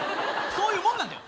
そういうもんなんだよ！